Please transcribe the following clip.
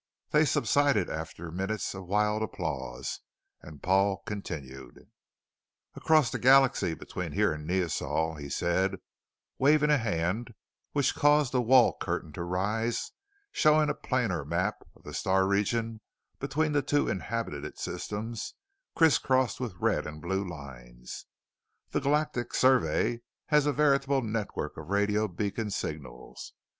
They subsided after minutes of wild applause, and Paul continued: "Across the galaxy between here and Neosol," he said, waving a hand which caused a wall curtain to rise, showing a planar map of the star region between the two inhabited systems, criss crossed with red and blue lines, "the galactic survey has a veritable network of radio beacon signals.